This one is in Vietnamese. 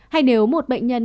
hay nếu một bệnh nhân